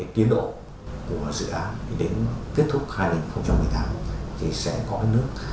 tiến độ của dự án đến kết thúc hai nghìn một mươi tám thì sẽ có nước